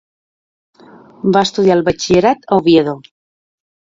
Va estudiar el batxillerat a Oviedo.